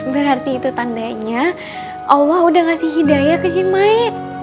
berarti itu tandanya allah udah ngasih hidayah ke cimai